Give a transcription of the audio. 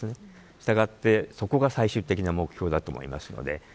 したがってそこが最終的な目標だと思います。